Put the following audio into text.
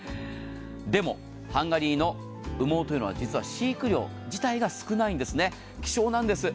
でも、ハンガリーの羽毛は実は飼育料自体が少ないんですね、希少なんです。